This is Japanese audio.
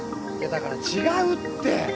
だから違うって。